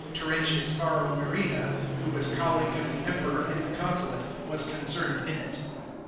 Terentius Varro Murena, who was colleague of the Emperor in the consulate, was concerned in it.